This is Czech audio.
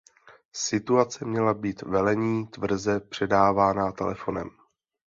Situace měla být velení tvrze předávána telefonem.